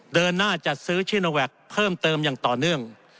เดินหน้าจัดซื้อชิโนแวคเพิ่มเติมอย่างต่อเนื่อง